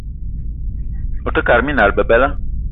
Ote kate minal bebela.